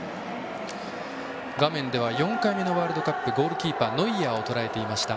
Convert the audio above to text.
画面では４回目のワールドカップゴールキーパー、ノイアーをとらえていました。